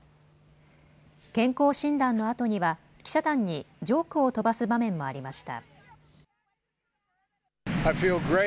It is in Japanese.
健康診断のあとには記者団にジョークを飛ばす場面もありました。